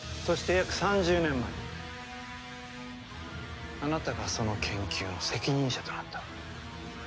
そして約３０年前あなたがその研究の責任者となった。